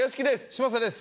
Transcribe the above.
嶋佐です。